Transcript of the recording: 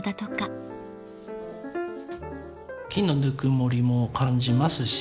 木のぬくもりも感じますし